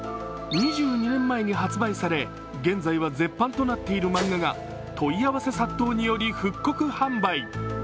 ２２年前に発売され、現在は絶版となっている漫画が問い合わせ殺到により復刻販売。